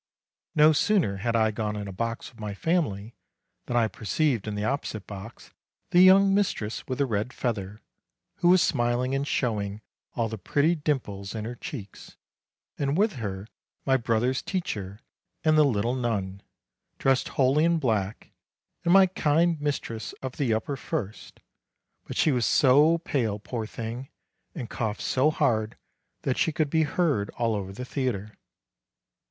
No sooner had I gone in a box with my family than I perceived in the opposite box the young mistress with the red feather, who was smiling and showing all the pretty dimples in her cheeks ; and with her my brother's teacher and "the little nun," dressed wholly in black, and my kind mistress of the upper first; but she was so pale, poor thing! and coughed so hard that she could be heard all over the theatre.